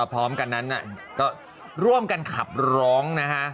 พร้อมกันนั้นก็ร่วมกันขับร้องนะฮะ